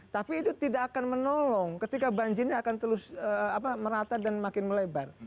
tapi itu tidak akan menolong ketika banjirnya akan terus merata dan makin melebar